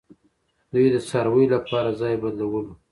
دوی د څارویو لپاره ځای بدلولو